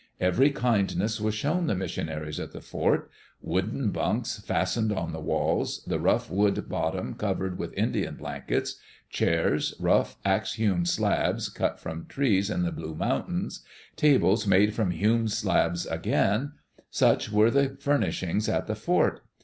Every kindness was shown the missionaries at the fort. Wooden bunks fastened on the walls, the rough wood bot tom covered with Indian blankets; chairs, rough axe hewn slabs, cut from trees in the Blue Mountains; tables made from hewn slabs again — such were the furnishings at the fort.